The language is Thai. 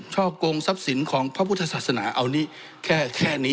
ช่อกงทรัพย์สินของพระพุทธศาสนาเอานี่แค่นี้